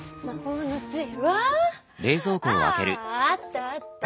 ああったあった。